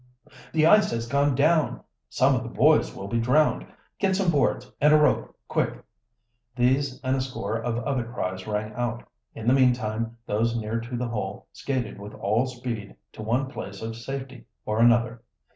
"The ice has gone down!" "Some of the boys will be drowned!" "Get some boards and a rope, quick!" These and a score of other cries rang out. In the meantime those near to the hole skated with all speed to one place of safety or another.